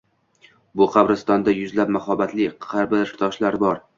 Bu qabristonida yuzlab mahobatli qabrtoshlar bor.